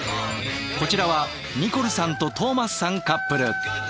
こちらはニコルさんとトーマスさんカップル。